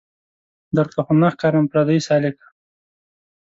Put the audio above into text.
درته خو نه ښکارم پردۍ سالکه